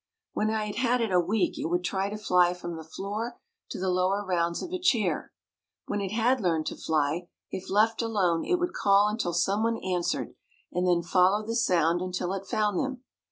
When I had had it a week it would try to fly from the floor to the lower rounds of a chair. When it had learned to fly, if left alone it would call until someone answered, and then follow the sound until it found them.